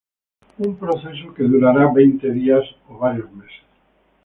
Un proceso que durará veinte días o varios meses.